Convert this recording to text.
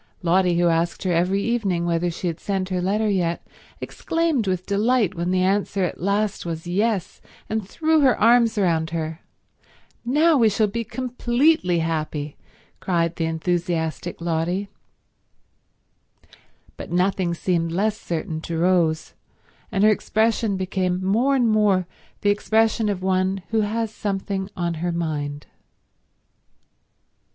Lotty, who asked her every evening whether she had sent her letter yet, exclaimed with delight when the answer at last was yes, and threw her arms round her. "Now we shall be completely happy!" cried the enthusiastic Lotty. But nothing seemed less certain to Rose, and her expression became more and more the expression of one who has something on her mind.